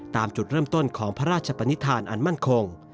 ตามจุดเริ่มต้นของพระราชปนิษฐานอันมั่นคง